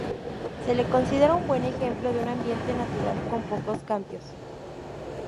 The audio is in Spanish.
Se le considera un buen ejemplo de un ambiente natural con pocos cambios.